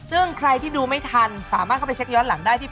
ซึ่งใครที่ดูไม่ทันสามารถเข้าไปเช็คย้อนหลังได้ที่